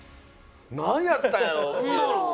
なんやったんやろ？